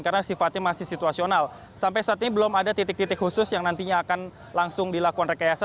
karena sifatnya masih situasional sampai saat ini belum ada titik titik khusus yang nantinya akan langsung dilakukan rekayasa